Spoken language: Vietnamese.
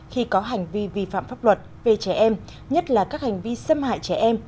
khi có hành vi vi phạm pháp luật về trẻ em nhất là các hành vi xâm hại trẻ em